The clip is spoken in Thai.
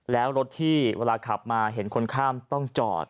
แล้วรถที่เวลาขับมาเห็นคนข้ามต้องจอด